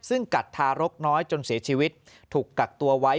ซึ่งกัดทารกน้อยจนเสียชีวิตถูกกักตัวไว้